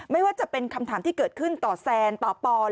ไม่ว่าจะเป็นคำถามที่เกิดขึ้นต่อแซนต่อปอน